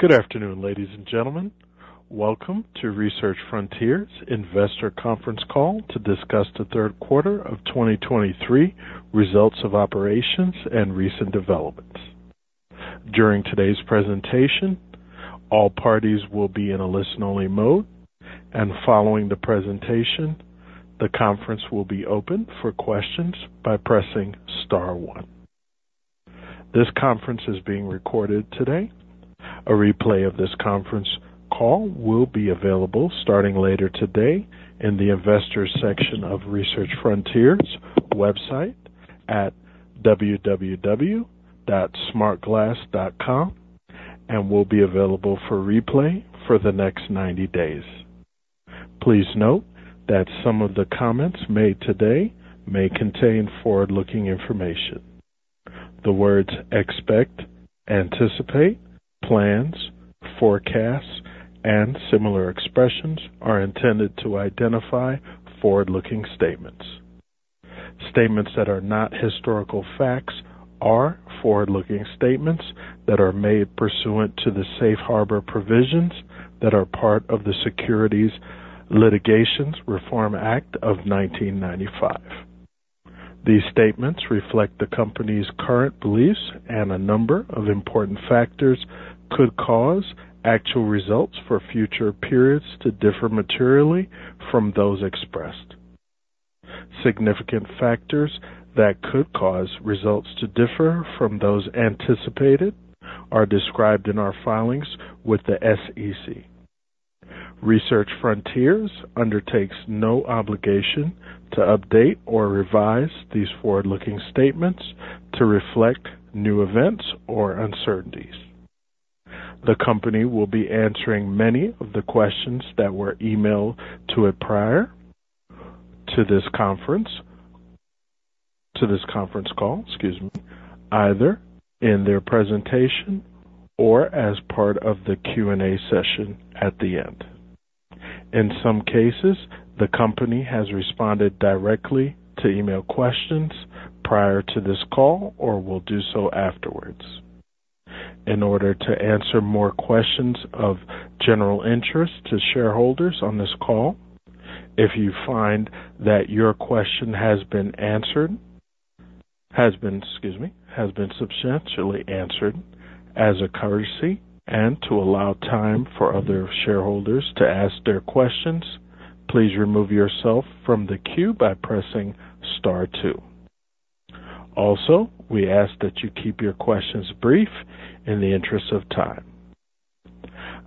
Good afternoon, ladies and gentlemen. Welcome to Research Frontiers Investor Conference Call to discuss the third quarter of 2023 results of operations and recent developments. During today's presentation, all parties will be in a listen-only mode, and following the presentation, the conference will be open for questions by pressing star one. This conference is being recorded today. A replay of this conference call will be available starting later today in the investors section of Research Frontiers' website at www.smartglass.com and will be available for replay for the next 90 days. Please note that some of the comments made today may contain forward-looking information. The words expect, anticipate, plans, forecasts, and similar expressions are intended to identify forward-looking statements. Statements that are not historical facts are forward-looking statements that are made pursuant to the safe harbor provisions that are part of the Securities Litigations Reform Act of 1995. These statements reflect the company's current beliefs, and a number of important factors could cause actual results for future periods to differ materially from those expressed. Significant factors that could cause results to differ from those anticipated are described in our filings with the SEC. Research Frontiers undertakes no obligation to update or revise these forward-looking statements to reflect new events or uncertainties. The company will be answering many of the questions that were emailed to it prior to this conference, to this conference call, excuse me, either in their presentation or as part of the Q&A session at the end. In some cases, the company has responded directly to email questions prior to this call or will do so afterwards. In order to answer more questions of general interest to shareholders on this call, if you find that your question has been answered, excuse me, has been substantially answered, as a courtesy and to allow time for other shareholders to ask their questions, please remove yourself from the queue by pressing star two. Also, we ask that you keep your questions brief in the interest of time.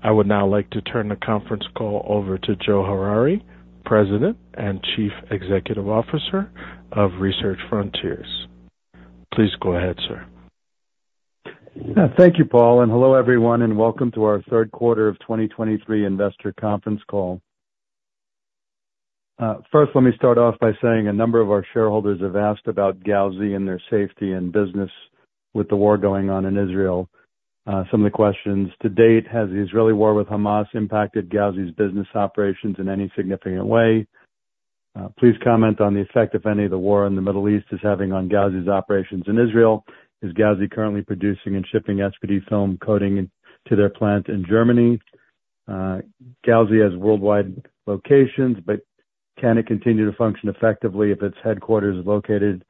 I would now like to turn the conference call over to Joe Harary, President and Chief Executive Officer of Research Frontiers. Please go ahead, sir. Thank you, Paul, and hello, everyone, and welcome to our third quarter of 2023 investor conference call. First, let me start off by saying a number of our shareholders have asked about Gauzy and their safety and business with the war going on in Israel. Some of the questions: To date, has the Israeli war with Hamas impacted Gauzy's business operations in any significant way? Please comment on the effect, if any, of the war in the Middle East is having on Gauzy's operations in Israel. Is Gauzy currently producing and shipping SPD film coating to their plant in Germany? Gauzy has worldwide locations, but can it continue to function effectively if its headquarters location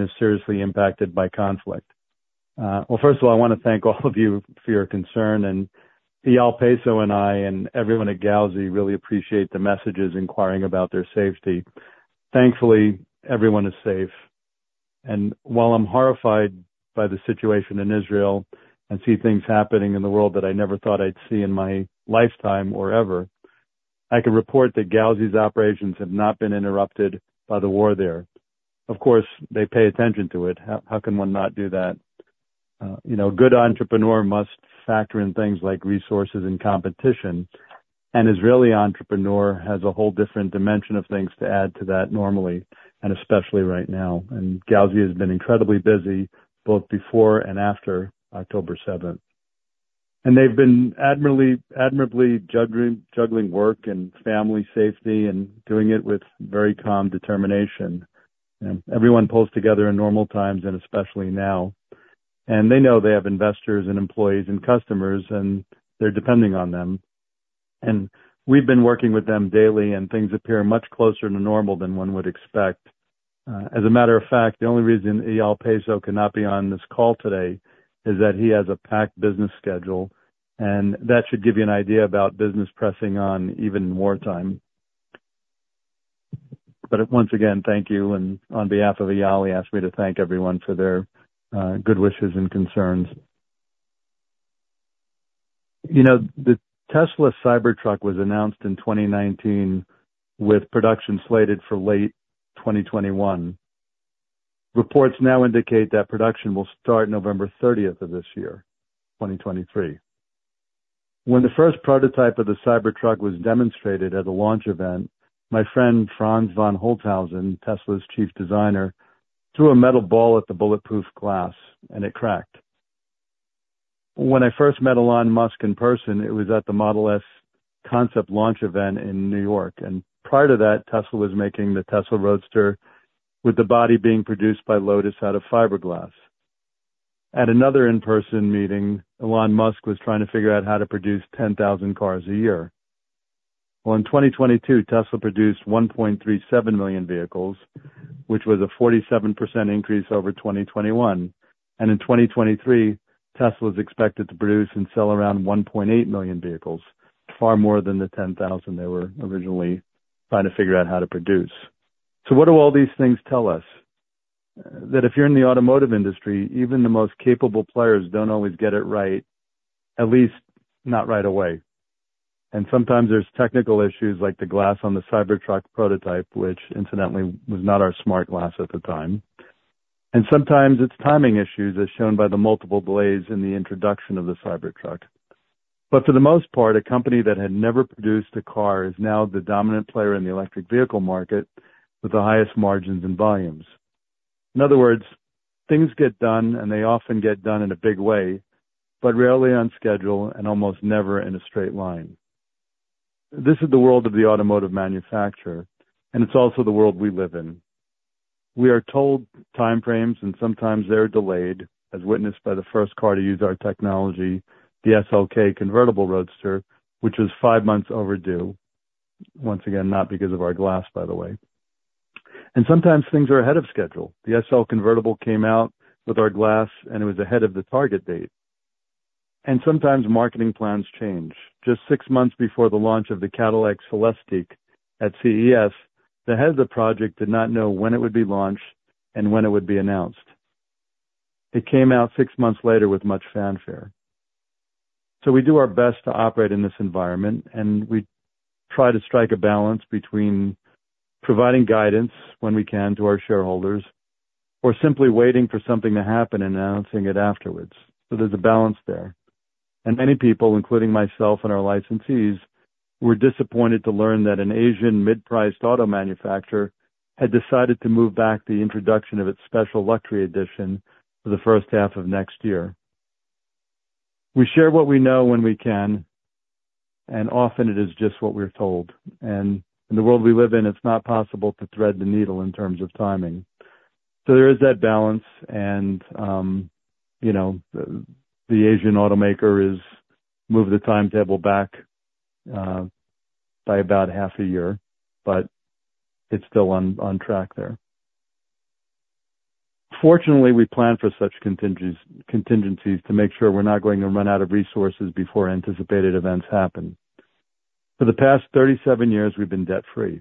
is seriously impacted by conflict? Well, first of all, I want to thank all of you for your concern, and Eyal Peso and I and everyone at Gauzy really appreciate the messages inquiring about their safety. Thankfully, everyone is safe, and while I'm horrified by the situation in Israel and see things happening in the world that I never thought I'd see in my lifetime or ever, I can report that Gauzy's operations have not been interrupted by the war there. Of course, they pay attention to it. How, how can one not do that? You know, a good entrepreneur must factor in things like resources and competition. An Israeli entrepreneur has a whole different dimension of things to add to that normally, and especially right now. And Gauzy has been incredibly busy, both before and after October seventh. They've been admirably, admirably juggling work and family safety and doing it with very calm determination. Everyone pulls together in normal times and especially now. They know they have investors and employees and customers, and they're depending on them. We've been working with them daily, and things appear much closer to normal than one would expect. As a matter of fact, the only reason Eyal Peso cannot be on this call today is that he has a packed business schedule, and that should give you an idea about business pressing on even in wartime. But once again, thank you, and on behalf of Eyal, he asked me to thank everyone for their good wishes and concerns. You know, the Tesla Cybertruck was announced in 2019, with production slated for late 2021. Reports now indicate that production will start November 30 of this year, 2023. When the first prototype of the Cybertruck was demonstrated at a launch event, my friend Franz von Holzhausen, Tesla's chief designer, threw a metal ball at the bulletproof glass, and it cracked. When I first met Elon Musk in person, it was at the Model S concept launch event in New York, and prior to that, Tesla was making the Tesla Roadster with the body being produced by Lotus out of fiberglass. At another in-person meeting, Elon Musk was trying to figure out how to produce 10,000 cars a year. Well, in 2022, Tesla produced 1.37 million vehicles, which was a 47% increase over 2021. In 2023, Tesla is expected to produce and sell around 1.8 million vehicles, far more than the 10,000 they were originally trying to figure out how to produce. So what do all these things tell us? That if you're in the automotive industry, even the most capable players don't always get it right, at least not right away. Sometimes there's technical issues, like the glass on the Cybertruck prototype, which incidentally, was not our smart glass at the time. Sometimes it's timing issues, as shown by the multiple delays in the introduction of the Cybertruck. But for the most part, a company that had never produced a car is now the dominant player in the electric vehicle market, with the highest margins and volumes. In other words, things get done, and they often get done in a big way, but rarely on schedule and almost never in a straight line. This is the world of the automotive manufacturer, and it's also the world we live in. We are told time frames, and sometimes they're delayed, as witnessed by the first car to use our technology, the SLK Convertible Roadster, which was 5 months overdue. Once again, not because of our glass, by the way. Sometimes things are ahead of schedule. The SL Convertible came out with our glass, and it was ahead of the target date. Sometimes marketing plans change. Just six months before the launch of the Cadillac Celestiq at CES, the head of the project did not know when it would be launched and when it would be announced. It came out six months later with much fanfare. So we do our best to operate in this environment, and we try to strike a balance between providing guidance when we can to our shareholders or simply waiting for something to happen and announcing it afterwards. So there's a balance there, and many people, including myself and our licensees, were disappointed to learn that an Asian mid-priced auto manufacturer had decided to move back the introduction of its special luxury edition for the first half of next year. We share what we know when we can, and often it is just what we're told. And in the world we live in, it's not possible to thread the needle in terms of timing. So there is that balance, and you know, the Asian automaker has moved the timetable back by about half a year, but it's still on track there. Fortunately, we plan for such contingencies, contingencies to make sure we're not going to run out of resources before anticipated events happen. For the past 37 years, we've been debt-free.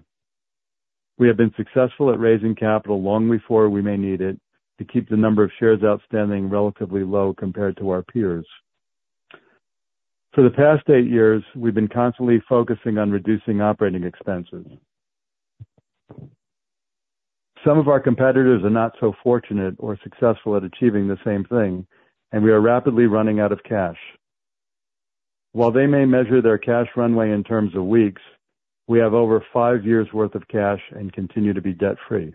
We have been successful at raising capital long before we may need it, to keep the number of shares outstanding relatively low compared to our peers. For the past eight years, we've been constantly focusing on reducing operating expenses. Some of our competitors are not so fortunate or successful at achieving the same thing, and we are rapidly running out of cash. While they may measure their cash runway in terms of weeks, we have over five years' worth of cash and continue to be debt-free.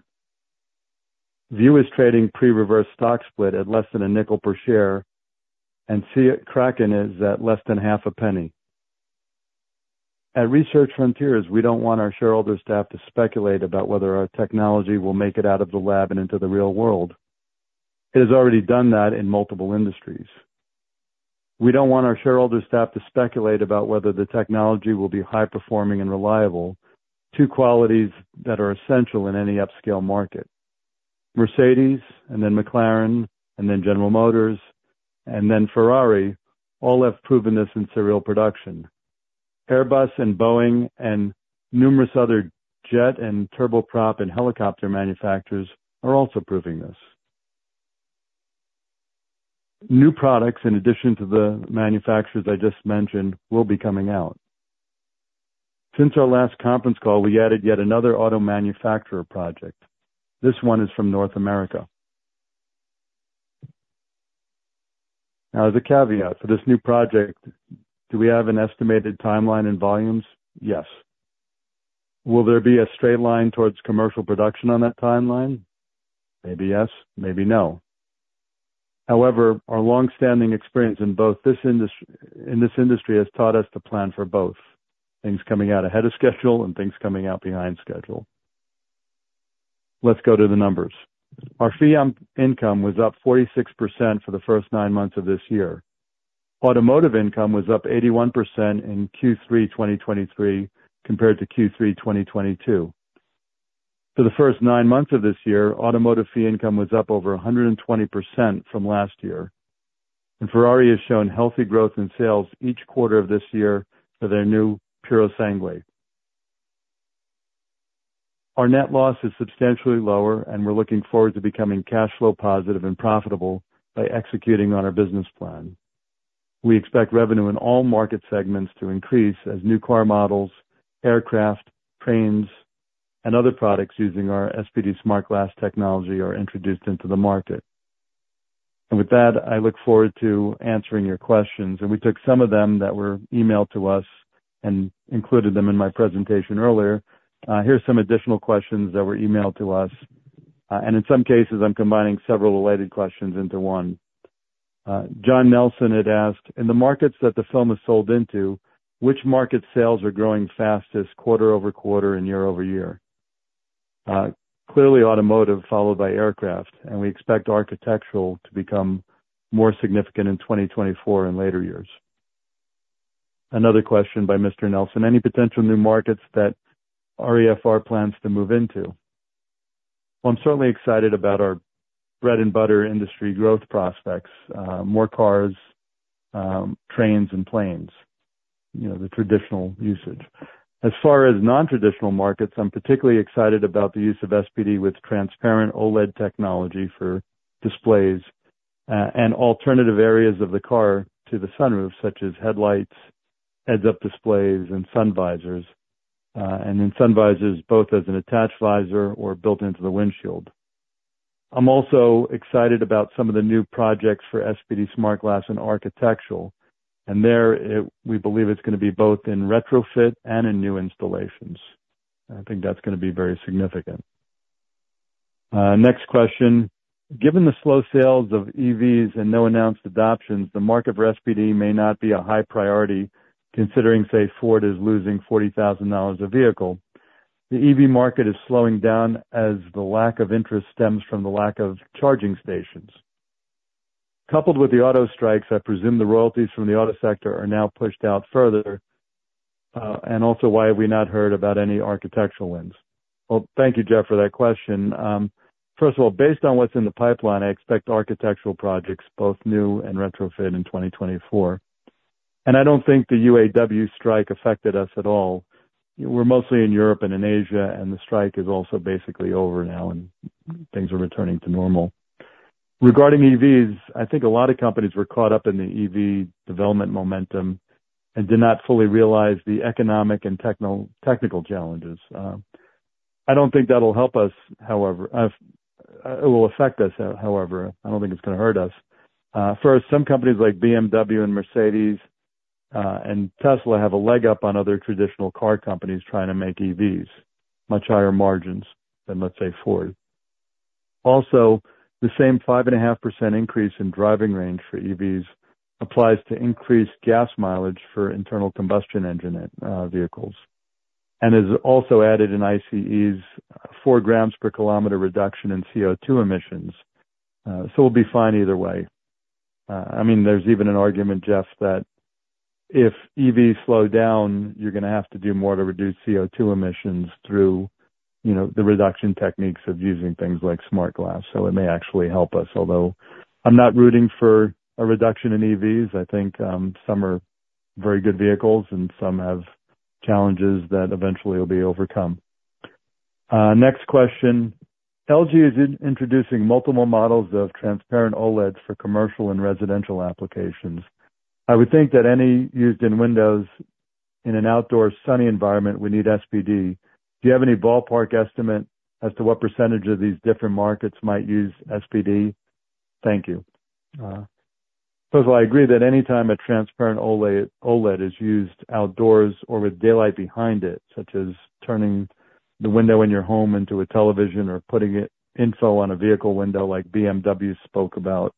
View is trading pre-reverse stock split at less than a nickel per share, and see it, Crown is at less than half a penny. At Research Frontiers, we don't want our shareholders to have to speculate about whether our technology will make it out of the lab and into the real world. It has already done that in multiple industries. We don't want our shareholders to have to speculate about whether the technology will be high-performing and reliable, two qualities that are essential in any upscale market. Mercedes, and then McLaren, and then General Motors, and then Ferrari, all have proven this in serial production. Airbus and Boeing and numerous other jet and turboprop and helicopter manufacturers are also proving this. New products, in addition to the manufacturers I just mentioned, will be coming out. Since our last conference call, we added yet another auto manufacturer project. This one is from North America. Now, as a caveat for this new project, do we have an estimated timeline and volumes? Yes. Will there be a straight line towards commercial production on that timeline? Maybe yes, maybe no. However, our long-standing experience in both this industry has taught us to plan for both, things coming out ahead of schedule and things coming out behind schedule. Let's go to the numbers. Our fee income was up 46% for the first nine months of this year. Automotive income was up 81% in Q3 2023, compared to Q3 2022. For the first nine months of this year, automotive fee income was up over 120% from last year, and Ferrari has shown healthy growth in sales each quarter of this year for their new Purosangue. Our net loss is substantially lower, and we're looking forward to becoming cash flow positive and profitable by executing on our business plan. We expect revenue in all market segments to increase as new car models, aircraft, trains, and other products using our SPD smart glass technology are introduced into the market. With that, I look forward to answering your questions, and we took some of them that were emailed to us and included them in my presentation earlier. Here's some additional questions that were emailed to us… and in some cases, I'm combining several related questions into one. John Nelson had asked, "In the markets that the film is sold into, which market sales are growing fastest quarter-over-quarter and year-over-year?" Clearly automotive followed by aircraft, and we expect architectural to become more significant in 2024 and later years. Another question by Mr. Nelson. Any potential new markets that REFR plans to move into?" Well, I'm certainly excited about our bread and butter industry growth prospects. More cars, trains and planes, you know, the traditional usage. As far as nontraditional markets, I'm particularly excited about the use of SPD with transparent OLED technology for displays, and alternative areas of the car to the sunroof, such as headlights, heads-up displays and sun visors. And in sun visors, both as an attached visor or built into the windshield. I'm also excited about some of the new projects for SPD smart glass and architectural, and we believe it's gonna be both in retrofit and in new installations. And I think that's gonna be very significant. Next question: "Given the slow sales of EVs and no announced adoptions, the market for SPD may not be a high priority, considering, say, Ford is losing $40,000 a vehicle. The EV market is slowing down as the lack of interest stems from the lack of charging stations. Coupled with the auto strikes, I presume the royalties from the auto sector are now pushed out further. And also, why have we not heard about any architectural wins?" Well, thank you, Jeff, for that question. First of all, based on what's in the pipeline, I expect architectural projects, both new and retrofit, in 2024. And I don't think the UAW strike affected us at all. We're mostly in Europe and in Asia, and the strike is also basically over now and things are returning to normal. Regarding EVs, I think a lot of companies were caught up in the EV development momentum and did not fully realize the economic and technical challenges. I don't think that'll help us, however. It will affect us, however. I don't think it's gonna hurt us. First, some companies like BMW and Mercedes, and Tesla, have a leg up on other traditional car companies trying to make EVs much higher margins than, let's say, Ford. Also, the same 5.5% increase in driving range for EVs applies to increased gas mileage for internal combustion engine vehicles, and is also added in ICEs 4 grams per kilometer reduction in CO2 emissions. So we'll be fine either way. I mean, there's even an argument, Jeff, that if EVs slow down, you're gonna have to do more to reduce CO2 emissions through, you know, the reduction techniques of using things like smart glass, so it may actually help us. Although I'm not rooting for a reduction in EVs, I think, some are very good vehicles and some have challenges that eventually will be overcome. Next question: "LG is introducing multiple models of transparent OLEDs for commercial and residential applications. I would think that any used in windows in an outdoor sunny environment, we need SPD. Do you have any ballpark estimate as to what percentage of these different markets might use SPD? Thank you." First of all, I agree that anytime a transparent OLED is used outdoors or with daylight behind it, such as turning the window in your home into a television or putting it onto a vehicle window, like BMW spoke about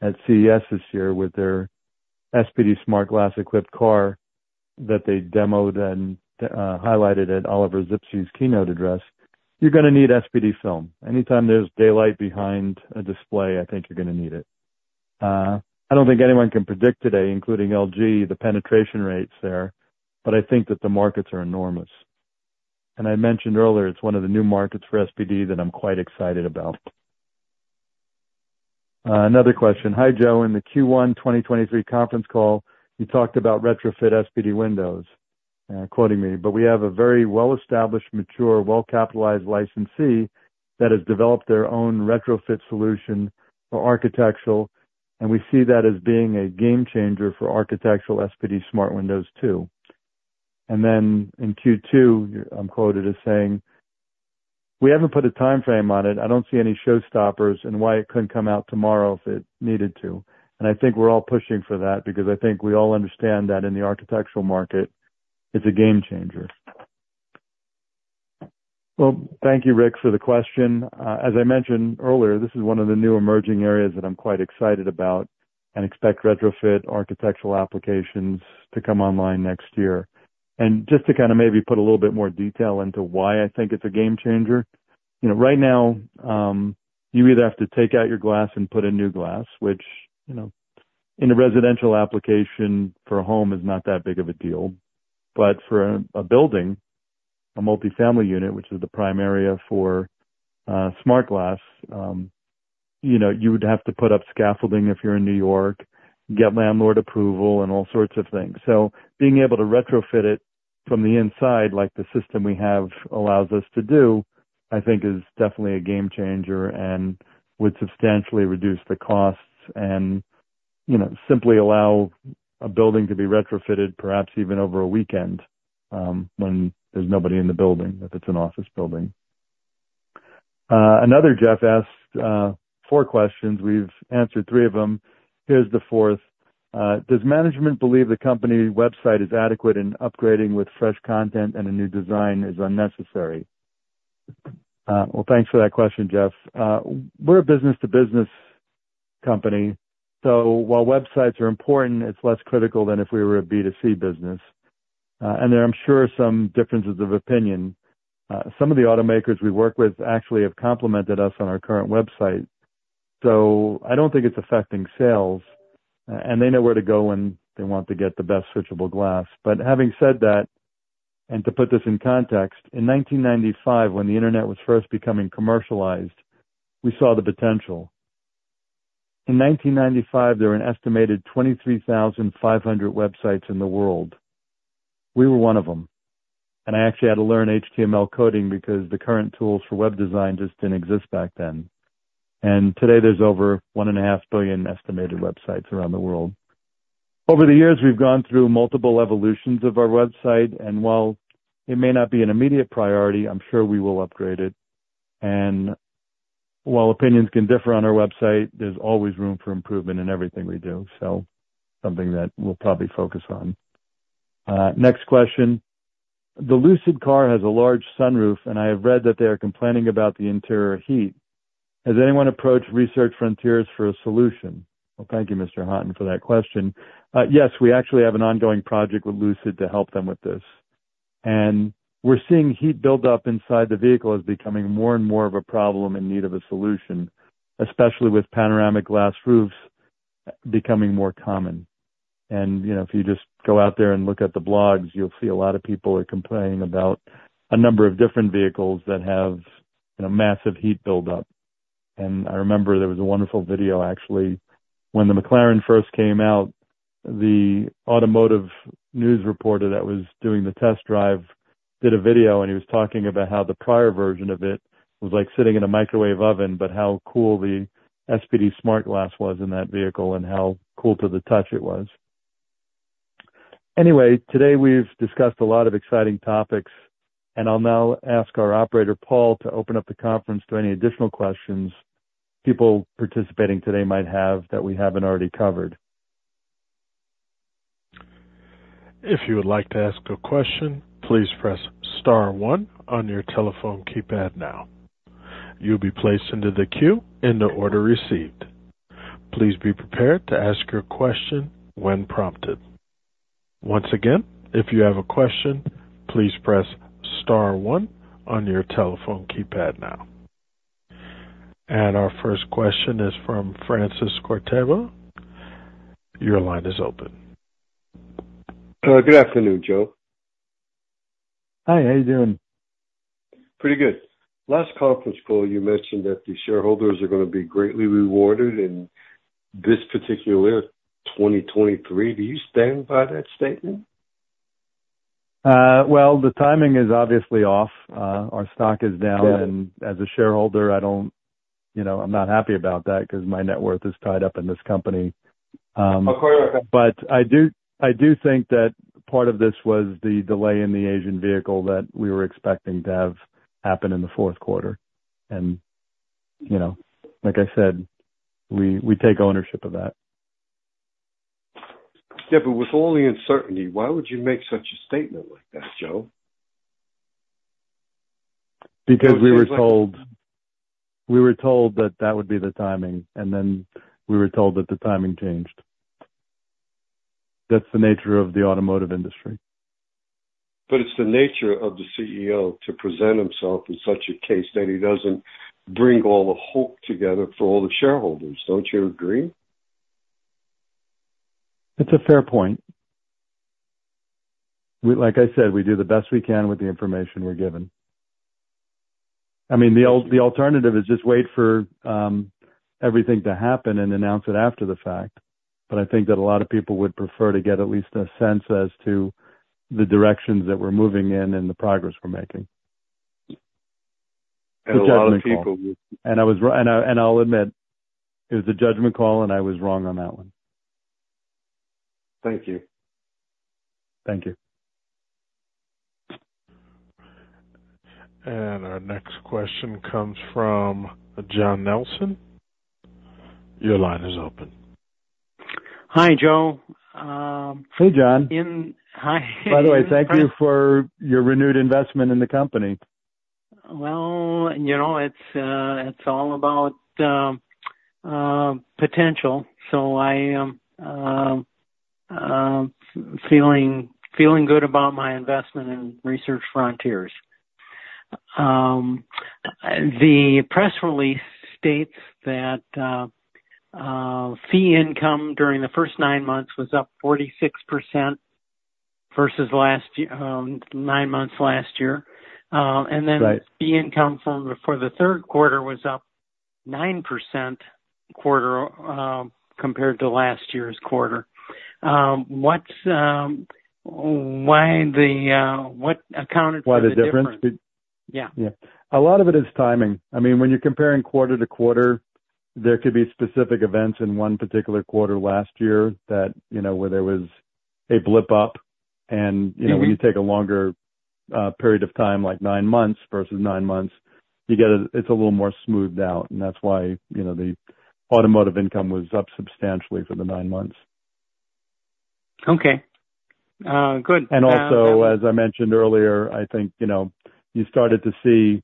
at CES this year with their SPD smart glass-equipped car that they demoed and highlighted at Oliver Zipse's keynote address, you're gonna need SPD film. Anytime there's daylight behind a display, I think you're gonna need it. I don't think anyone can predict today, including LG, the penetration rates there, but I think that the markets are enormous. And I mentioned earlier, it's one of the new markets for SPD that I'm quite excited about. Another question: "Hi, Joe. In the Q1 2023 conference call, you talked about retrofit SPD windows, quoting me, "but we have a very well-established, mature, well-capitalized licensee that has developed their own retrofit solution for architectural, and we see that as being a game changer for architectural SPD smart windows, too." And then in Q2, I'm quoted as saying, "We haven't put a timeframe on it. I don't see any showstoppers and why it couldn't come out tomorrow if it needed to. And I think we're all pushing for that because I think we all understand that in the architectural market, it's a game changer." Well, thank you, Rick, for the question. As I mentioned earlier, this is one of the new emerging areas that I'm quite excited about and expect retrofit architectural applications to come online next year. Just to kind of maybe put a little bit more detail into why I think it's a game changer. You know, right now, you either have to take out your glass and put in new glass, which, you know, in a residential application for a home is not that big of a deal. But for a building, a multifamily unit, which is the prime area for smart glass, you know, you would have to put up scaffolding if you're in New York, get landlord approval and all sorts of things. So being able to retrofit it from the inside, like the system we have allows us to do, I think is definitely a game changer and would substantially reduce the costs and, you know, simply allow a building to be retrofitted, perhaps even over a weekend, when there's nobody in the building, if it's an office building. Another Jeff asked four questions. We've answered three of them. Here's the fourth. Does management believe the company's website is adequate in upgrading with fresh content and a new design is unnecessary? Well, thanks for that question, Jeff. We're a business-to-business company, so while websites are important, it's less critical than if we were a B2C business. And there I'm sure are some differences of opinion. Some of the automakers we work with actually have complimented us on our current website, so I don't think it's affecting sales, and they know where to go when they want to get the best switchable glass. But having said that, and to put this in context, in 1995, when the internet was first becoming commercialized, we saw the potential. In 1995, there were an estimated 23,500 websites in the world. We were one of them, and I actually had to learn HTML coding because the current tools for web design just didn't exist back then. And today there's over 1.5 billion estimated websites around the world. Over the years, we've gone through multiple evolutions of our website, and while it may not be an immediate priority, I'm sure we will upgrade it. While opinions can differ on our website, there's always room for improvement in everything we do. Something that we'll probably focus on. Next question: The Lucid car has a large sunroof, and I have read that they are complaining about the interior heat. Has anyone approached Research Frontiers for a solution? Well, thank you, Mr. Haughton, for that question. Yes, we actually have an ongoing project with Lucid to help them with this. And we're seeing heat buildup inside the vehicle is becoming more and more of a problem in need of a solution, especially with panoramic glass roofs becoming more common. And, you know, if you just go out there and look at the blogs, you'll see a lot of people are complaining about a number of different vehicles that have, you know, massive heat buildup. I remember there was a wonderful video, actually, when the McLaren first came out, the automotive news reporter that was doing the test drive did a video, and he was talking about how the prior version of it was like sitting in a microwave oven, but how cool the SPD smart glass was in that vehicle and how cool to the touch it was. Anyway, today we've discussed a lot of exciting topics, and I'll now ask our operator, Paul, to open up the conference to any additional questions people participating today might have that we haven't already covered. If you would like to ask a question, please press star one on your telephone keypad now. You'll be placed into the queue in the order received. Please be prepared to ask your question when prompted. Once again, if you have a question, please press star one on your telephone keypad now. Our first question is from Francis Cortejo. Your line is open. Good afternoon, Joe. Hi, how are you doing? Pretty good. Last conference call, you mentioned that the shareholders are gonna be greatly rewarded in this particular year, 2023. Do you stand by that statement? Well, the timing is obviously off. Our stock is down. Got it. And as a shareholder, I don't, you know, I'm not happy about that because my net worth is tied up in this company. Of course. But I do, I do think that part of this was the delay in the Asian vehicle that we were expecting to have happen in the fourth quarter. And, you know, like I said, we, we take ownership of that. Yeah, but with all the uncertainty, why would you make such a statement like that, Joe? Because we were told, we were told that that would be the timing, and then we were told that the timing changed. That's the nature of the automotive industry. It's the nature of the CEO to present himself in such a case that he doesn't bring all the hope together for all the shareholders. Don't you agree? It's a fair point. We—like I said, we do the best we can with the information we're given. I mean, the alternative is just wait for everything to happen and announce it after the fact. But I think that a lot of people would prefer to get at least a sense as to the directions that we're moving in and the progress we're making. A lot of people would- And I'll admit, it was a judgment call, and I was wrong on that one. Thank you. Thank you. Our next question comes from John Nelson. Your line is open. Hi, Joe. Hey, John. Hi. By the way, thank you for your renewed investment in the company. Well, you know, it's all about potential, so I am feeling good about my investment in Research Frontiers. The press release states that fee income during the first nine months was up 46% versus last year, nine months last year. And then the income from, for the third quarter was up 9% quarter, compared to last year's quarter. What accounted for the difference? Why the difference? Yeah. Yeah. A lot of it is timing. I mean, when you're comparing quarter to quarter, there could be specific events in one particular quarter last year that, you know, where there was a blip up. And, you know. When you take a longer period of time, like nine months versus nine months, you get, it's a little more smoothed out, and that's why, you know, the automotive income was up substantially for the nine months. Okay, good. And also, as I mentioned earlier, I think, you know, you started to see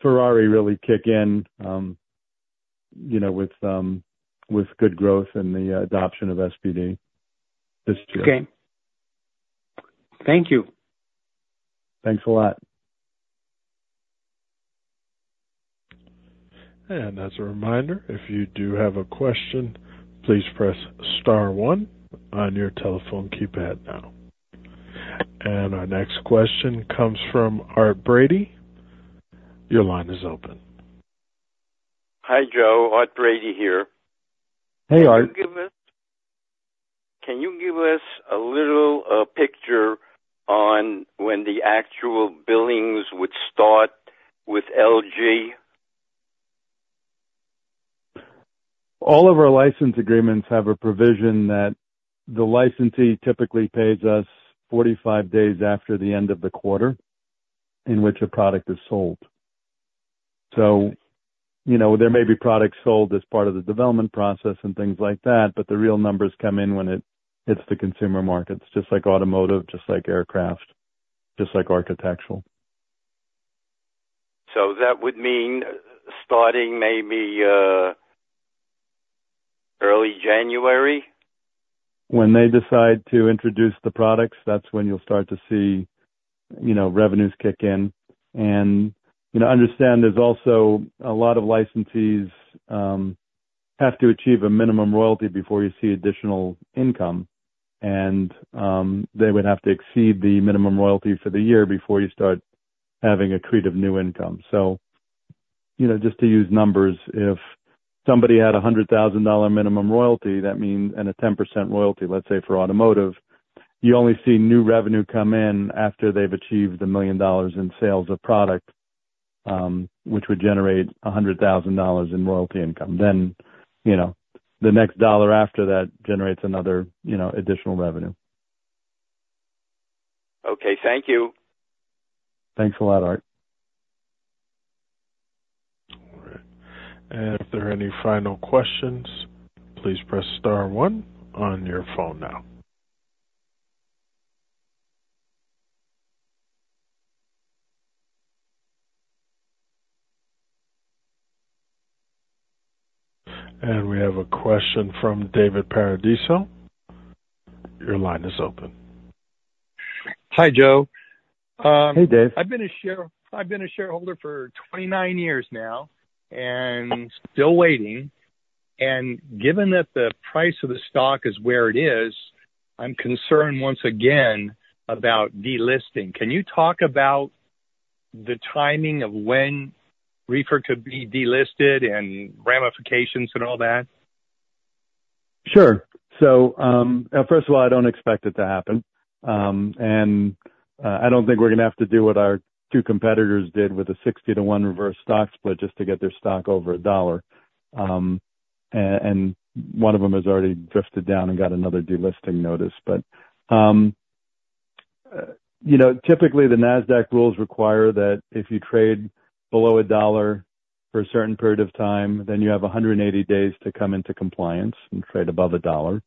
Ferrari really kick in, you know, with good growth in the adoption of SPD this year. Okay. Thank you. Thanks a lot. As a reminder, if you do have a question, please press star one on your telephone keypad now. Our next question comes from Art Brady. Your line is open. Hi, Joe. Art Brady here. Hey, Art. Can you give us a little picture on when the actual billings would start with LG? All of our license agreements have a provision that the licensee typically pays us 45 days after the end of the quarter in which a product is sold. So, you know, there may be products sold as part of the development process and things like that, but the real numbers come in when it hits the consumer markets, just like automotive, just like aircraft, just like architectural. So that would mean starting maybe, early January? When they decide to introduce the products, that's when you'll start to see, you know, revenues kick in. And, you know, understand there's also a lot of licensees have to achieve a minimum royalty before you see additional income. And they would have to exceed the minimum royalty for the year before you start having accretive new income. So, you know, just to use numbers, if somebody had a $100,000 minimum royalty, that means, and a 10% royalty, let's say, for automotive, you only see new revenue come in after they've achieved $1 million in sales of product, which would generate a $100,000 in royalty income. Then, you know, the next dollar after that generates another, you know, additional revenue. Okay. Thank you. Thanks a lot, Art. All right. And if there are any final questions, please press star one on your phone now. And we have a question from David Paradiso. Your line is open. Hi, Joe. Hey, Dave. I've been a shareholder for 29 years now, and still waiting. Given that the price of the stock is where it is, I'm concerned once again about delisting. Can you talk about the timing of when REFR could be delisted and ramifications and all that? Sure. So, first of all, I don't expect it to happen. I don't think we're gonna have to do what our two competitors did with a 60-to-1 reverse stock split just to get their stock over $1. One of them has already drifted down and got another delisting notice. But, you know, typically the Nasdaq rules require that if you trade below $1 for a certain period of time, then you have 180 days to come into compliance and trade above $1.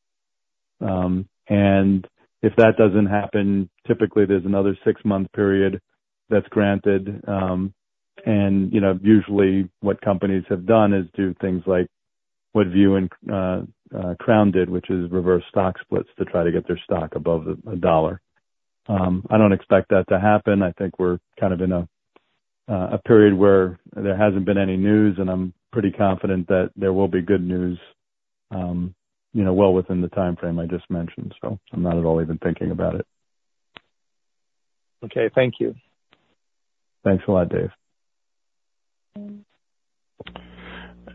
If that doesn't happen, typically there's another 6-month period that's granted. You know, usually what companies have done is do things like what View and Crown did, which is reverse stock splits to try to get their stock above $1. I don't expect that to happen. I think we're kind of in a period where there hasn't been any news, and I'm pretty confident that there will be good news, you know, well within the timeframe I just mentioned. So I'm not at all even thinking about it. Okay. Thank you. Thanks a lot, Dave.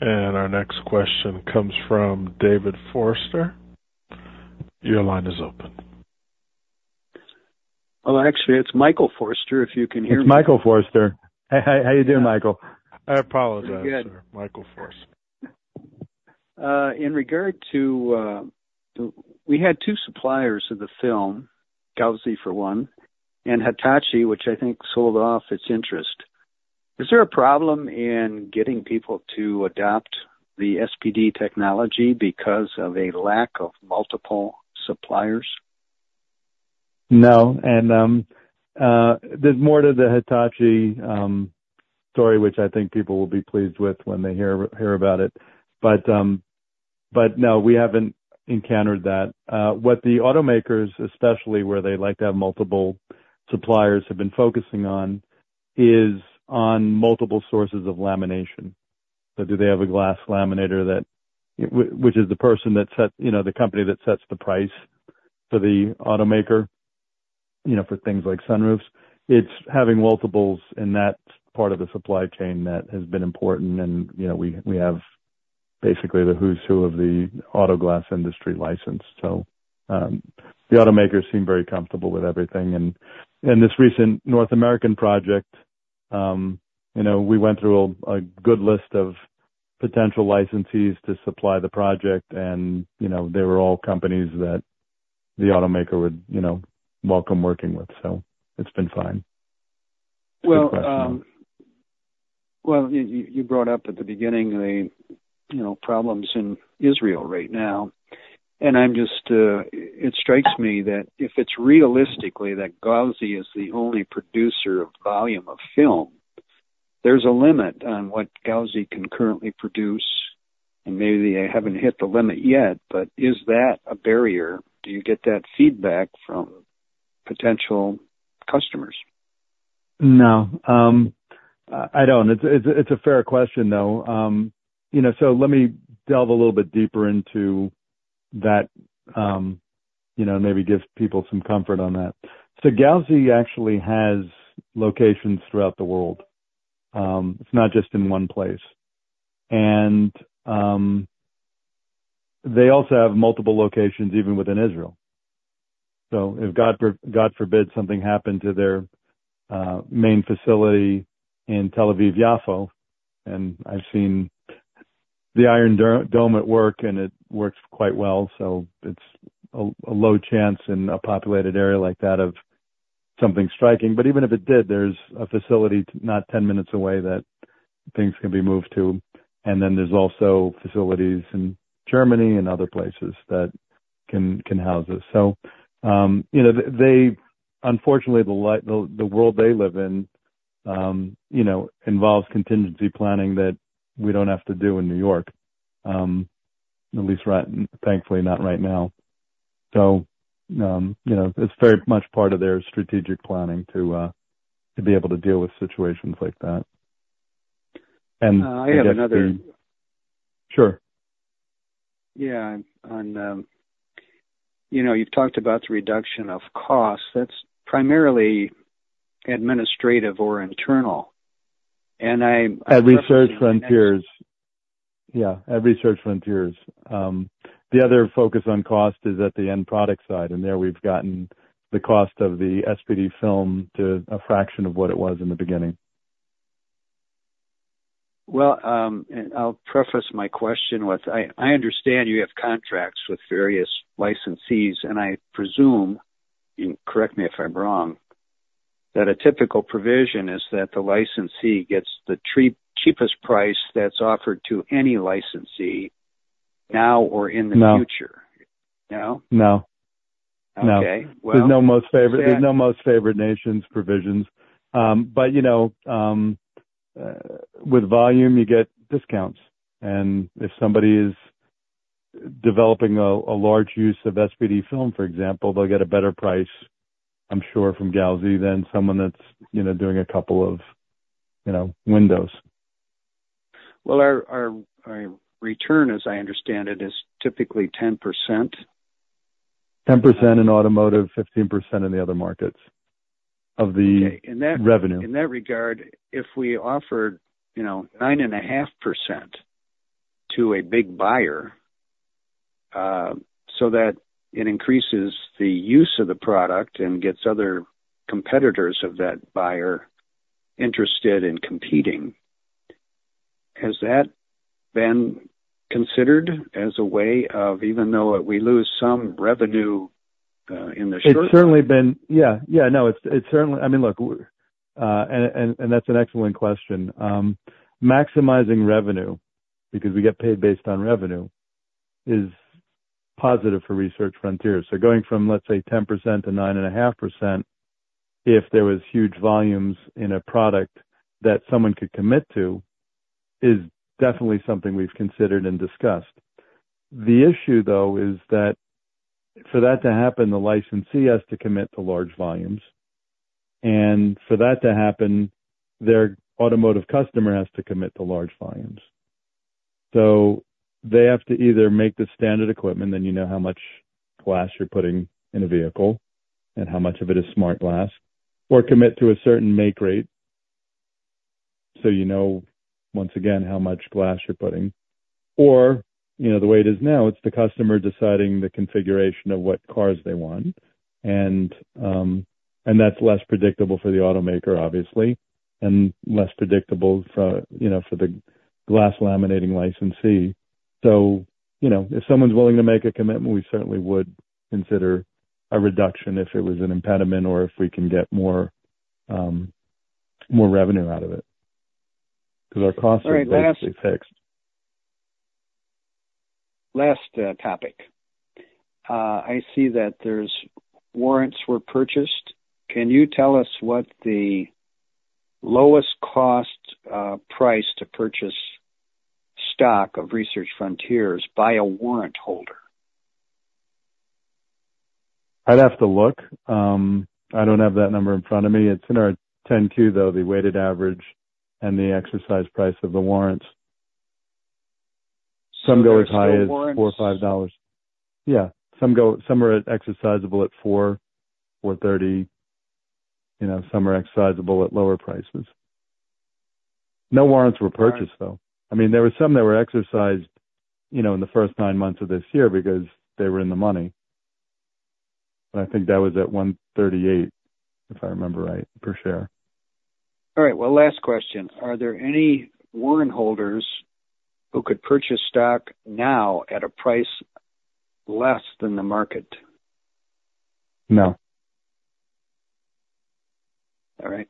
Our next question comes from David Forster. Your line is open. Well, actually, it's Michael Forster, if you can hear me? It's Michael Forster. Hey, hi, how are you doing, Michael? I apologize, sir. Michael Forster. In regard to, we had two suppliers of the film, Gauzy for one, and Hitachi, which I think sold off its interest. Is there a problem in getting people to adopt the SPD technology because of a lack of multiple suppliers? No, there's more to the Hitachi story, which I think people will be pleased with when they hear about it. But, but no, we haven't encountered that. What the automakers, especially where they like to have multiple suppliers, have been focusing on is on multiple sources of lamination. So do they have a glass laminator that which is the person that sets, you know, the company that sets the price for the automaker, you know, for things like sunroofs. It's having multiples in that part of the supply chain that has been important, and, you know, we have basically the who's who of the auto glass industry licensed. So, the automakers seem very comfortable with everything. And this recent North American project, you know, we went through a good list of potential licensees to supply the project, and, you know, they were all companies that the automaker would, you know, welcome working with. So it's been fine. Well, well, you brought up at the beginning the, you know, problems in Israel right now. I'm just, it strikes me that if it's realistically that Gauzy is the only producer of volume of film, there's a limit on what Gauzy can currently produce, and maybe they haven't hit the limit yet, but is that a barrier? Do you get that feedback from potential customers? No, I don't. It's a fair question, though. You know, so let me delve a little bit deeper into that, you know, maybe give people some comfort on that. So Gauzy actually has locations throughout the world, it's not just in one place. And they also have multiple locations, even within Israel. So if God forbid something happened to their main facility in Tel Aviv-Yafo, and I've seen the Iron Dome at work, and it works quite well. So it's a low chance in a populated area like that of something striking. But even if it did, there's a facility not 10 minutes away that things can be moved to. And then there's also facilities in Germany and other places that can house it. So, you know, they unfortunately, the world they live in, you know, involves contingency planning that we don't have to do in New York, at least right now. Thankfully, not right now. So, you know, it's very much part of their strategic planning to, to be able to deal with situations like that. And I have another. Sure. Yeah. On, you know, you've talked about the reduction of costs. That's primarily administrative or internal, and I- At Research Frontiers. Yeah, at Research Frontiers. The other focus on cost is at the end product side, and there we've gotten the cost of the SPD film to a fraction of what it was in the beginning. Well, I'll preface my question with, I understand you have contracts with various licensees, and I presume, and correct me if I'm wrong, that a typical provision is that the licensee gets the cheapest price that's offered to any licensee now or in the future. No. No? No. Okay. There's no most-favored-nations provisions. But you know, with volume, you get discounts, and if somebody is developing a large use of SPD film, for example, they'll get a better price, I'm sure, from Gauzy than someone that's, you know, doing a couple of, you know, windows. Well, our return, as I understand it, is typically 10%. 10% in automotive, 15% in the other markets of the revenue. In that regard, if we offered, you know, 9.5% to a big buyer, so that it increases the use of the product and gets other competitors of that buyer interested in competing, has that been considered as a way of even though we lose some revenue, in the short run? It's certainly—I mean, look, that's an excellent question. Maximizing revenue, because we get paid based on revenue, is positive for Research Frontiers. So going from, let's say, 10%-9.5%, if there was huge volumes in a product that someone could commit to, is definitely something we've considered and discussed. The issue, though, is that for that to happen, the licensee has to commit to large volumes, and for that to happen, their automotive customer has to commit to large volumes. So they have to either make the standard equipment, then you know how much glass you're putting in a vehicle and how much of it is smart glass, or commit to a certain make rate. So you know, once again, how much glass you're putting or, you know, the way it is now, it's the customer deciding the configuration of what cars they want. And, and that's less predictable for the automaker, obviously, and less predictable for, you know, for the glass laminating licensee. So, you know, if someone's willing to make a commitment, we certainly would consider a reduction if it was an impediment or if we can get more, more revenue out of it, because our costs are basically fixed. Last topic. I see that there's warrants were purchased. Can you tell us what the lowest cost price to purchase stock of Research Frontiers by a warrant holder? I'd have to look. I don't have that number in front of me. It's in our 10-Q, though, the weighted average and the exercise price of the warrants. Some go as high as $4 or $5. Yeah. Some are exercisable at $4, $4.30, you know, some are exercisable at lower prices. No warrants were purchased, though. I mean, there were some that were exercised, you know, in the first nine months of this year because they were in the money. But I think that was at $1.38, if I remember right, per share. All right, well, last question. Are there any warrant holders who could purchase stock now at a price less than the market? No. All right.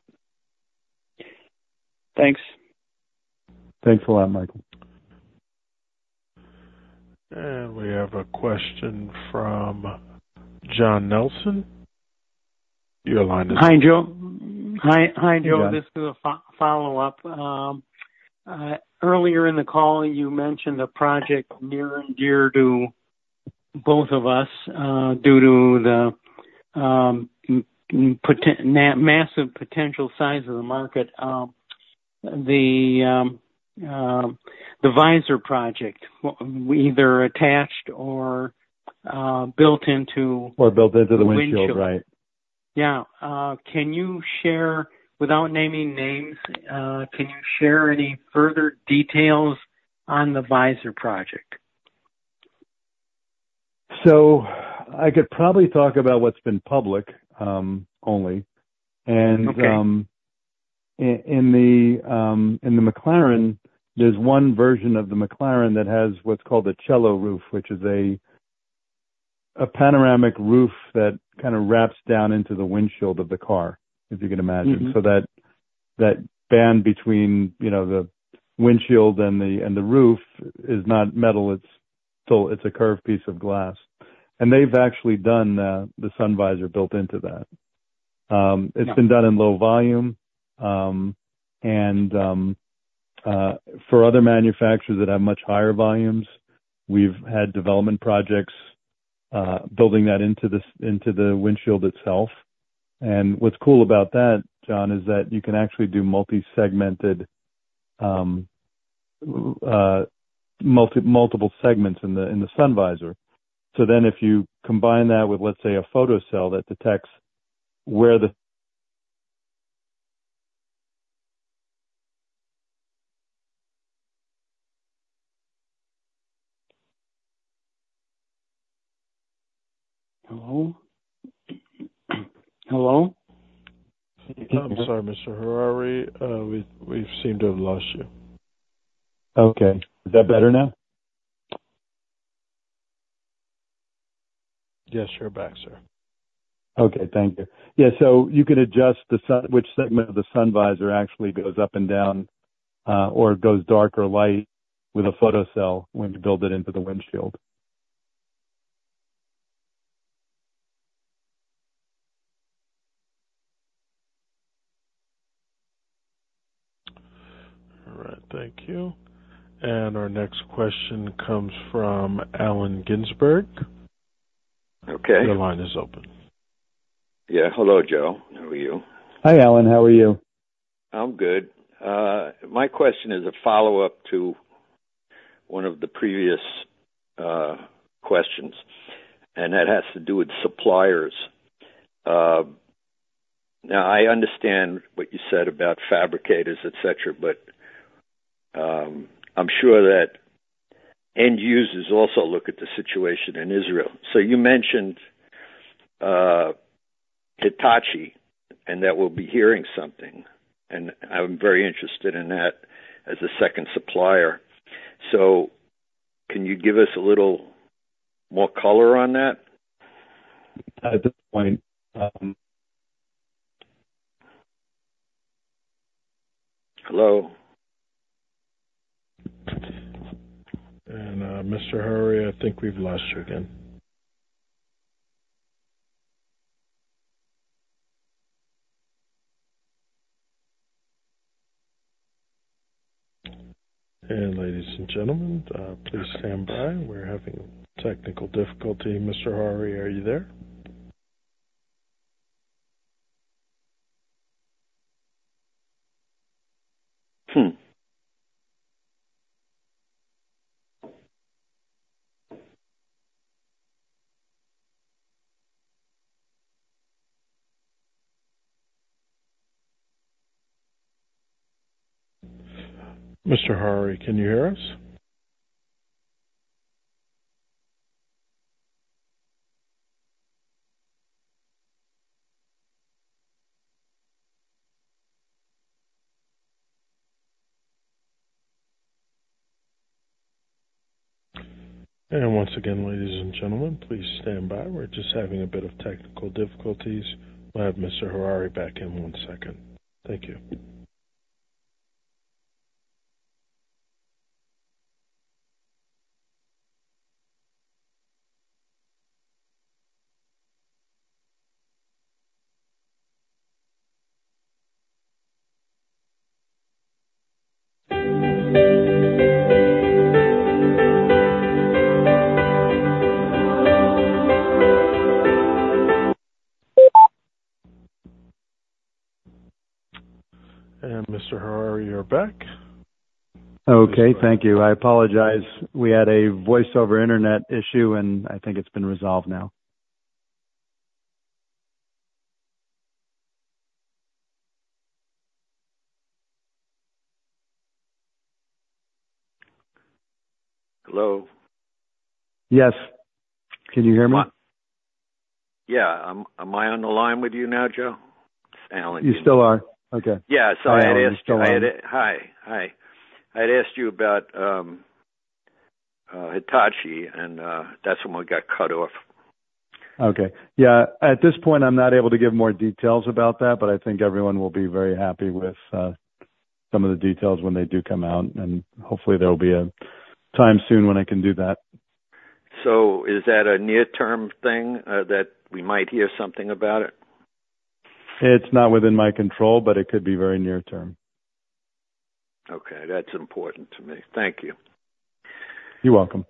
Thanks. Thanks a lot, Michael. We have a question from John Nelson. Your line is- Hi, Joe. Hi, hi, Joe. Yeah. This is a follow-up. Earlier in the call, you mentioned a project near and dear to both of us, due to the massive potential size of the market. The visor project, either attached or built into- Or built into the windshield, right? Yeah. Can you share, without naming names, can you share any further details on the visor project? I could probably talk about what's been public, only. Okay. In the McLaren, there's one version of the McLaren that has what's called a Cielo roof, which is a panoramic roof that kind of wraps down into the windshield of the car, if you can imagine. So that band between, you know, the windshield and the roof is not metal, it's a curved piece of glass. And they've actually done the sun visor built into that. It's been done in low volume. And for other manufacturers that have much higher volumes, we've had development projects building that into the windshield itself. And what's cool about that, John, is that you can actually do multi-segmented multiple segments in the sun visor. So then if you combine that with, let's say, a photo cell that detects where the- Hello? Hello? I'm sorry, Mr. Harary, we seem to have lost you. Okay. Is that better now? Yes, you're back, sir. Okay. Thank you. Yeah, so you could adjust the sun, which segment of the sun visor actually goes up and down, or goes dark or light with a photo cell when you build it into the windshield. All right. Thank you. Our next question comes from Alan Ginsburg. Okay. Your line is open. Yeah. Hello, Joe. How are you? Hi, Alan. How are you? I'm good. My question is a follow-up to one of the previous questions, and that has to do with suppliers. Now, I understand what you said about fabricators, et cetera, but, I'm sure that end users also look at the situation in Israel. So you mentioned Hitachi, and that we'll be hearing something, and I'm very interested in that as a second supplier. So can you give us a little more color on that? At this point. Hello? Mr. Harary, I think we've lost you again. Ladies and gentlemen, please stand by. We're having technical difficulty. Mr. Harary, are you there? Mr. Harary, can you hear us? Once again, ladies and gentlemen, please stand by. We're just having a bit of technical difficulties. We'll have Mr. Harary back in one second. Thank you. Mr. Harary, you're back. Okay, thank you. I apologize. We had a voice over internet issue, and I think it's been resolved now. Hello? Yes. Can you hear me? Yeah, am I on the line with you now, Joe? It's Alan. You still are. Okay. Yeah. Sorry, I had asked. Hi. Hi. I had asked you about Hitachi, and that's when we got cut off. Okay. Yeah. At this point, I'm not able to give more details about that, but I think everyone will be very happy with some of the details when they do come out, and hopefully there will be a time soon when I can do that. Is that a near-term thing, that we might hear something about it? It's not within my control, but it could be very near term. Okay. That's important to me. Thank you. You're welcome.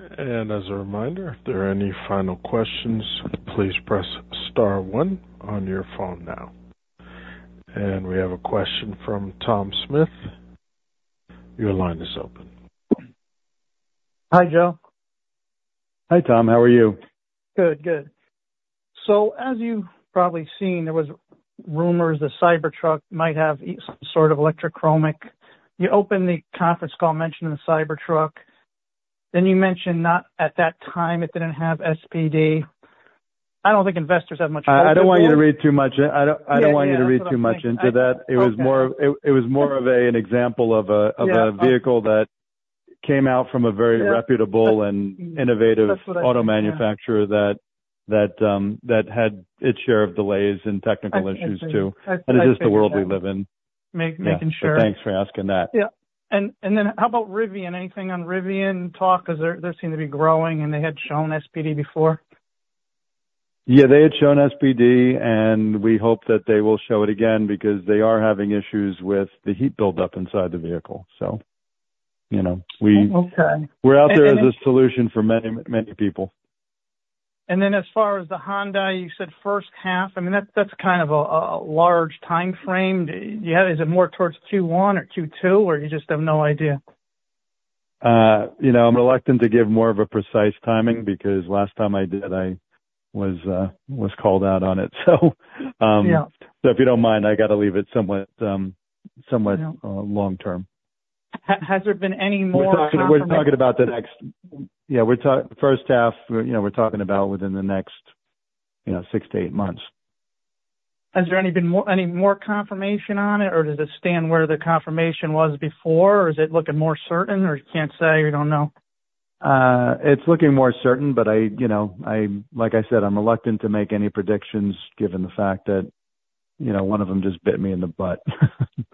As a reminder, if there are any final questions, please press star one on your phone now. We have a question from Tom Smith. Your line is open. Hi, Joe. Hi, Tom. How are you? Good, good. So as you've probably seen, there was rumors the Cybertruck might have some sort of electrochromic. You opened the conference call mentioning the Cybertruck, then you mentioned not at that time, it didn't have SPD. I don't think investors have much. I don't want you to read too much into that. Okay. It was more of a vehicle that came out from a very reputable and innovative auto manufacturer that had its share of delays and technical issues, too. I agree. But it's just the world we live in. Making sure. Thanks for asking that. Yeah. And, and then how about Rivian? Anything on Rivian talk? Because they're, they seem to be growing, and they had shown SPD before. Yeah, they had shown SPD, and we hope that they will show it again because they are having issues with the heat buildup inside the vehicle. So, you know, we- Okay. We're out there as a solution for many, many people. As far as the Honda, you said first half, I mean, that's kind of a large timeframe. Do you have... Is it more towards Q1 or Q2, or you just have no idea? You know, I'm reluctant to give more of a precise timing, because last time I did, I was called out on it. Yeah. f you don't mind, I got to leave it somewhat long term. Has there been any more? Yeah, first half, you know, we're talking about within the next, you know, 6-8 months. Has there been any more confirmation on it, or does it stand where the confirmation was before, or is it looking more certain, or you can't say, or you don't know? It's looking more certain, but, you know, like I said, I'm reluctant to make any predictions given the fact that, you know, one of them just bit me in the butt.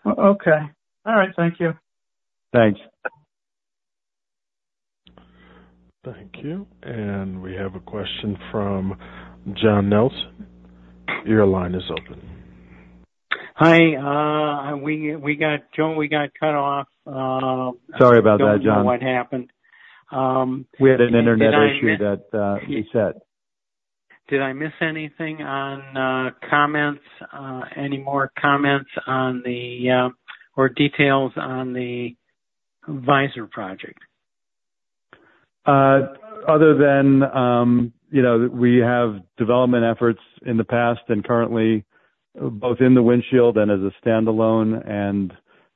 Okay. All right. Thank you. Thanks. Thank you. We have a question from John Nelson. Your line is open. Hi, we got, Joe, we got cut off. Sorry about that, John. Don't know what happened. We had an internet issue that he said. Did I miss anything on comments? Any more comments on the or details on the visor project? Other than, you know, we have development efforts in the past and currently, both in the windshield and as a standalone, and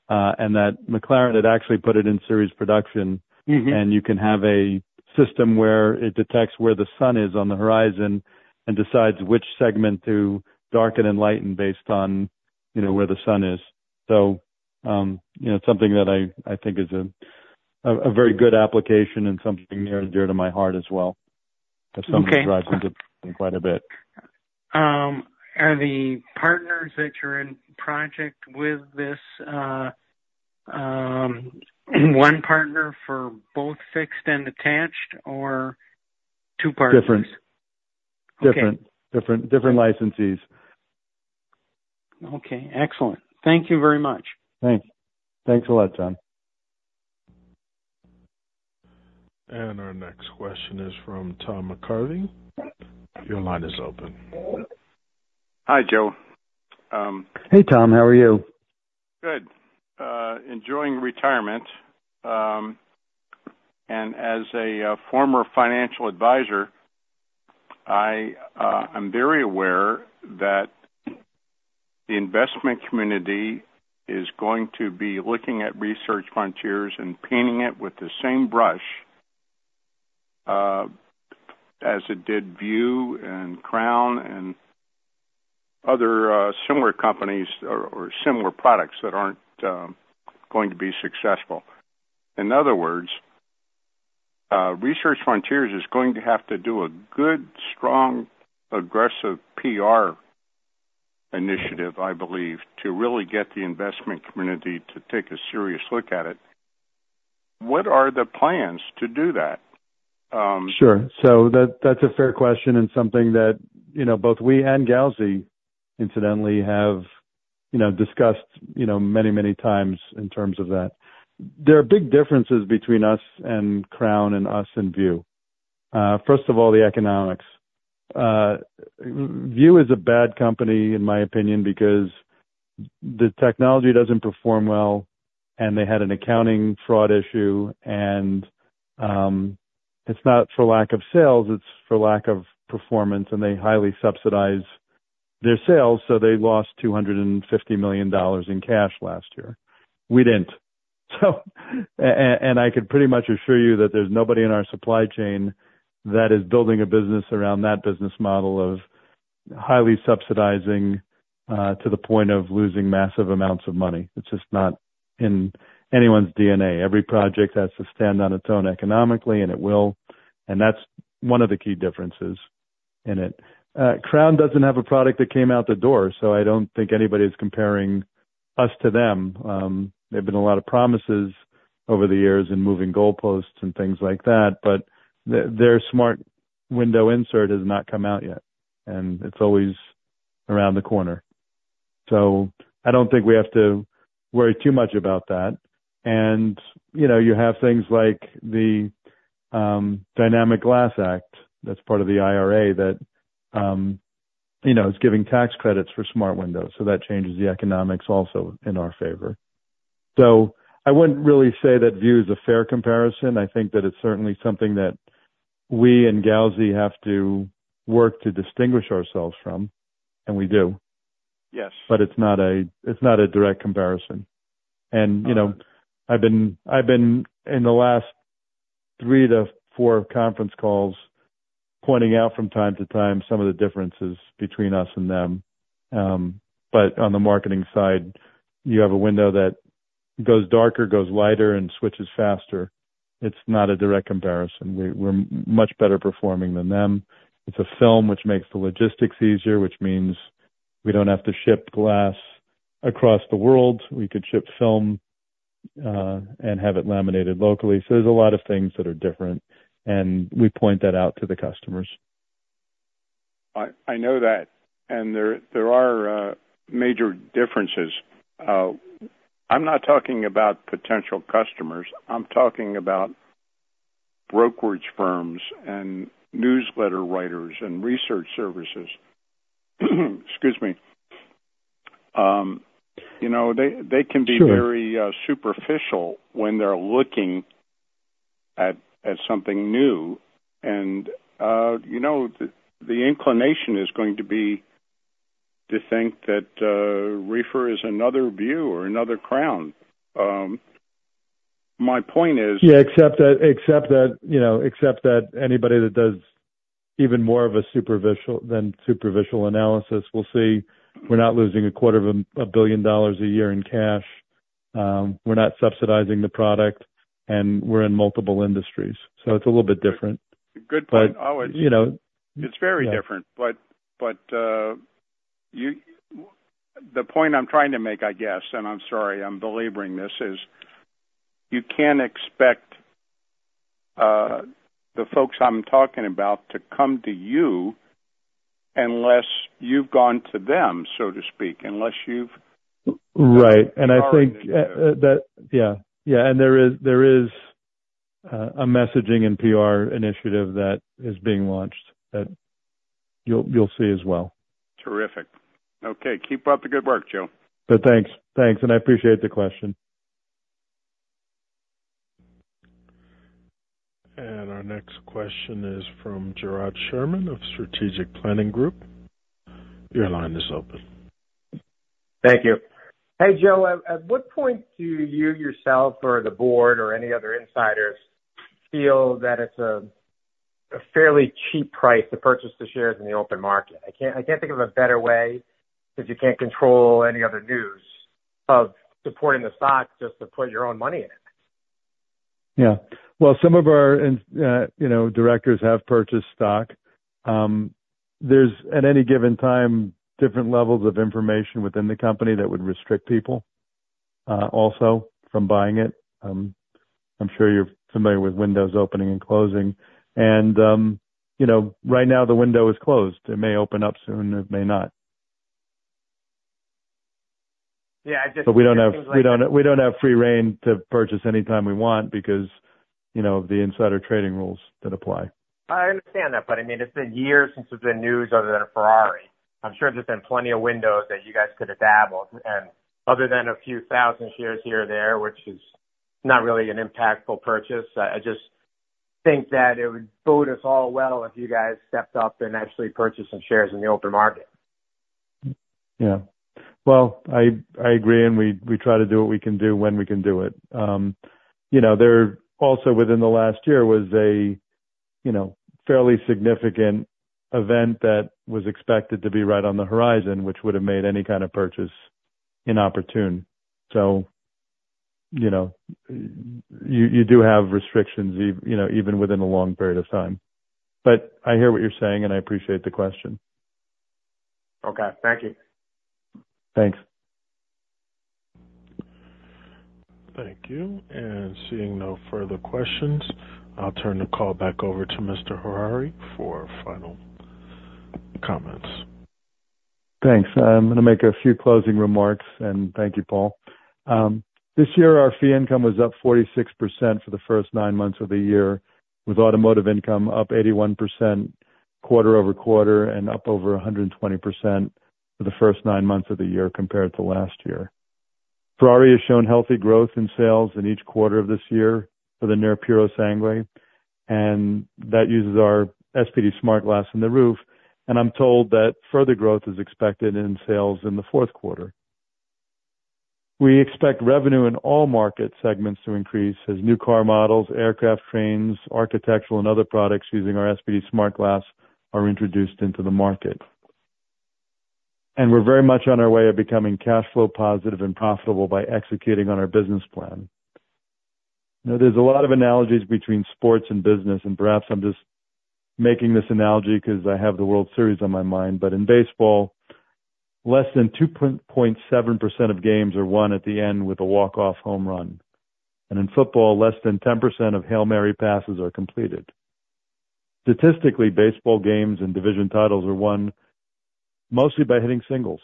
that McLaren had actually put it in series production. You can have a system where it detects where the sun is on the horizon and decides which segment to darken and lighten based on, you know, where the sun is. So, you know, it's something that I, I think is a, a very good application and something near and dear to my heart as well. Okay. As someone who drives quite a bit. Are the partners that you're in project with this one partner for both fixed and attached, or two partners? Different. Okay. Different, different, different licensees. Okay. Excellent. Thank you very much. Thanks. Thanks a lot, John. Our next question is from Tom McCarthy. Your line is open. Hi, Joe. Hey, Tom. How are you? Good. Enjoying retirement. As a former financial advisor, I’m very aware that the investment community is going to be looking at Research Frontiers and painting it with the same brush as it did View and Crown and other similar companies or similar products that aren't going to be successful. In other words, Research Frontiers is going to have to do a good, strong, aggressive PR initiative, I believe, to really get the investment community to take a serious look at it. What are the plans to do that? Sure. So that, that's a fair question and something that, you know, both we and Gauzy incidentally have, you know, discussed, you know, many, many times in terms of that. There are big differences between us and Crown and us and View. First of all, the economics. View is a bad company, in my opinion, because the technology doesn't perform well, and they had an accounting fraud issue, and it's not for lack of sales, it's for lack of performance, and they highly subsidize their sales, so they lost $250 million in cash last year. We didn't. So, and, and I could pretty much assure you that there's nobody in our supply chain that is building a business around that business model of highly subsidizing to the point of losing massive amounts of money. It's just not in anyone's DNA. Every project has to stand on its own economically, and it will. And that's one of the key differences in it. Crown doesn't have a product that came out the door, so I don't think anybody's comparing us to them. There have been a lot of promises over the years in moving goalposts and things like that, but their, their smart window insert has not come out yet, and it's always around the corner. So I don't think we have to worry too much about that. And, you know, you have things like the Dynamic Glass Act, that's part of the IRA, that, you know, is giving tax credits for smart windows, so that changes the economics also in our favor. So I wouldn't really say that View is a fair comparison. I think that it's certainly something that we and Gauzy have to work to distinguish ourselves from, and we do. Yes. But it's not a direct comparison. And, you know, I've been, in the last 3-4 conference calls, pointing out from time to time some of the differences between us and them. But on the marketing side, you have a window that goes darker, goes lighter, and switches faster. It's not a direct comparison. We're much better performing than them. It's a film which makes the logistics easier, which means we don't have to ship glass across the world. We could ship film, and have it laminated locally. So there's a lot of things that are different, and we point that out to the customers. I know that, and there are major differences. I'm not talking about potential customers. I'm talking about brokerage firms and newsletter writers and research services. Excuse me. You know, they can be very superficial when they're looking at something new. And, you know, the inclination is going to be to think that REFR is another View or another Crown. My point is- Yeah, except that, except that, you know, except that anybody that does even more of a superficial than superficial analysis will see we're not losing $250 million a year in cash, we're not subsidizing the product, and we're in multiple industries. So it's a little bit different. Good point. But, you know- It's very different. Yeah. The point I'm trying to make, I guess, and I'm sorry, I'm belaboring this, is you can't expect the folks I'm talking about to come to you unless you've gone to them, so to speak, unless you've- Right. And I think, yeah, yeah, and there is a messaging and PR initiative that is being launched that you'll see as well. Terrific. Okay, keep up the good work, Joe. Thanks. Thanks, and I appreciate the question. Our next question is from Gerard Sherman of Strategic Planning Group. Your line is open. Thank you. Hey, Joe, at what point do you, yourself, or the board or any other insiders feel that it's a fairly cheap price to purchase the shares in the open market? I can't think of a better way, if you can't control any other news, of supporting the stock, just to put your own money in it. Yeah. Well, some of our, you know, directors have purchased stock. There's, at any given time, different levels of information within the company that would restrict people also from buying it. I'm sure you're familiar with windows opening and closing. And, you know, right now, the window is closed. It may open up soon. It may not. Yeah, I just- But we don't have free rein to purchase any time we want because, you know, the insider trading rules that apply. I understand that, but I mean, it's been years since there's been news other than a Ferrari. I'm sure there's been plenty of windows that you guys could have dabbled, and other than a few thousand shares here or there, which is not really an impactful purchase, I, I just think that it would bode us all well if you guys stepped up and actually purchased some shares in the open market. Yeah. Well, I agree, and we try to do what we can do when we can do it. You know, also, within the last year was a, you know, fairly significant event that was expected to be right on the horizon, which would have made any kind of purchase inopportune. So, you know, you do have restrictions, you know, even within a long period of time. But I hear what you're saying, and I appreciate the question. Okay. Thank you. Thanks. Thank you. And seeing no further questions, I'll turn the call back over to Mr. Harary for final comments. Thanks. I'm gonna make a few closing remarks, and thank you, Paul. This year, our fee income was up 46% for the first nine months of the year, with automotive income up 81% quarter-over-quarter and up over 120% for the first nine months of the year compared to last year. Ferrari has shown healthy growth in sales in each quarter of this year for the Purosangue, and that uses our SPD-SmartGlass in the roof, and I'm told that further growth is expected in sales in the fourth quarter. We expect revenue in all market segments to increase as new car models, aircraft, trains, architectural, and other products using our SPD-SmartGlass are introduced into the market. We're very much on our way of becoming cash flow positive and profitable by executing on our business plan. Now, there's a lot of analogies between sports and business, and perhaps I'm just making this analogy because I have the World Series on my mind. But in baseball, less than 2.7% of games are won at the end with a walk-off home run. And in football, less than 10% of Hail Mary passes are completed. Statistically, baseball games and division titles are won mostly by hitting singles.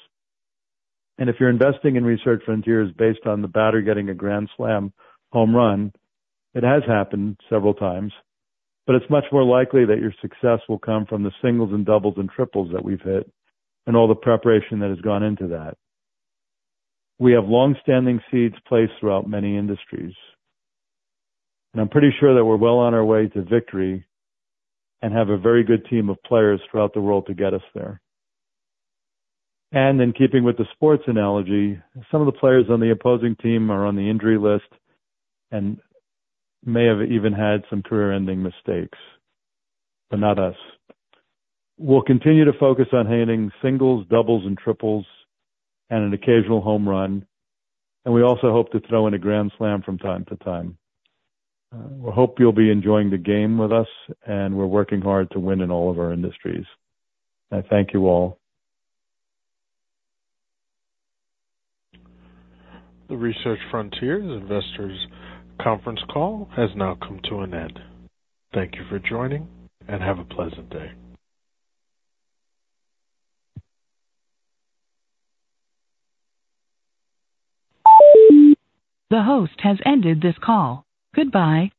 And if you're investing in Research Frontiers based on the batter getting a grand slam home run, it has happened several times, but it's much more likely that your success will come from the singles and doubles and triples that we've hit and all the preparation that has gone into that. We have longstanding seeds placed throughout many industries, and I'm pretty sure that we're well on our way to victory and have a very good team of players throughout the world to get us there. In keeping with the sports analogy, some of the players on the opposing team are on the injury list and may have even had some career-ending mistakes, but not us. We'll continue to focus on hitting singles, doubles, and triples, and an occasional home run, and we also hope to throw in a grand slam from time to time. We hope you'll be enjoying the game with us, and we're working hard to win in all of our industries. I thank you all. The Research Frontiers Investors conference call has now come to an end. Thank you for joining, and have a pleasant day. The host has ended this call. Goodbye.